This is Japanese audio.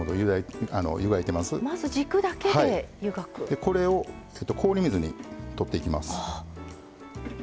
でこれを氷水にとっていきます。